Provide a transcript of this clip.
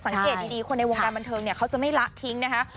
สังเกตดีคนในวงการบันเทิงเนี่ยเขาจะไม่ละทิ้งนะคะ